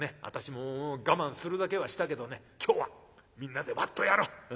私ももう我慢するだけはしたけどね今日はみんなでワッとやろう。